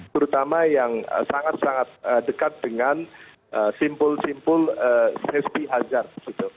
terutama yang sangat sangat dekat dengan simpul simpul safety hazard